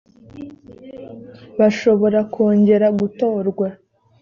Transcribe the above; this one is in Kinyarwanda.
bashobora kongera gutorwa .